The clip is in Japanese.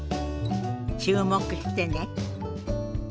注目してね。